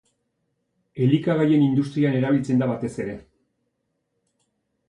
Elikagaien industrian erabiltzen da batez ere.